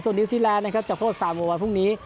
ส่วนนิวซีแลนด์นะครับจะโทษสามวันวันพรุ่งนี้